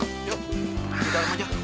yuk di dalam aja